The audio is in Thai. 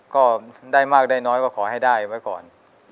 ก็ได้มากได้น้อยก็ขอให้ได้ไว้ก่อน